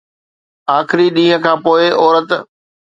آخري ڏينهن کان پوء عورت